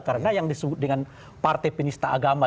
karena yang disebut dengan partai penista agama